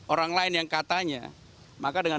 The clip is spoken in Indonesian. orang lain yang katanya maka dengan